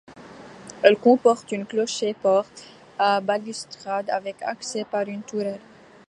Elle comporte un clocher-porche à balustrade, avec accès par une tourelle.